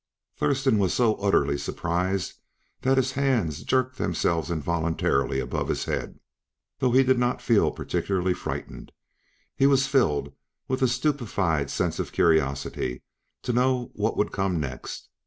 Thurston was so utterly surprised that his hands jerked themselves involuntarily above his head, though he did not feel particularly frightened; he was filled with a stupefied sort of curiosity to know what would come next.